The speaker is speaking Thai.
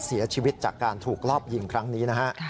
เสียชีวิตจากการถูกรอบยิงครั้งนี้นะฮะ